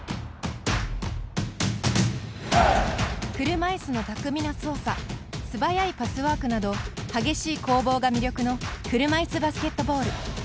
車いすの巧みな操作素早いパスワークなど激しい攻防が魅力の車いすバスケットボール。